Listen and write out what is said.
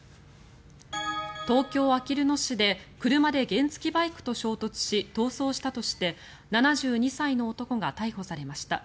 東京・あきる野市で車で原付きバイクと衝突し逃走したとして７２歳の男が逮捕されました。